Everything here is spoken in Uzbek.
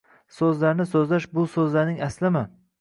So’zlarni so’zlash bu so’zlarning aslimi?